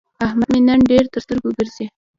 احمد مې نن ډېر تر سترګو ګرځي.